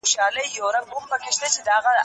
ده د ازاد فکر فضا رامنځته کړه.